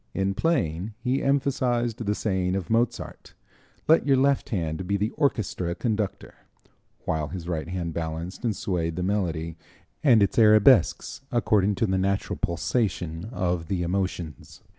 In playing he emphasized the saying of Mozart: "Let your left hand be the orchestra conductor," while his right hand balanced and swayed the melody and its arabesques according to the natural pulsation of the emotions.